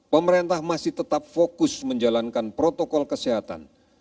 pemerintah masih tetap fokus menjalankan protokol kesehatan